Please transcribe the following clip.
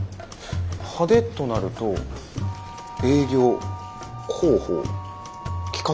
派手となると営業広報企画部。